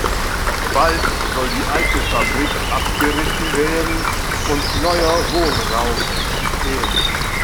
Bald soll die alte Fabrik abgerissen werden und neuer Wohnraum entstehen.